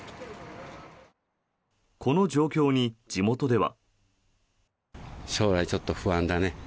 この状況に、地元では。